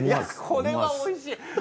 これはおいしい。